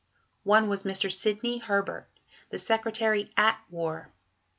One was Mr. Sidney Herbert, the Secretary at War.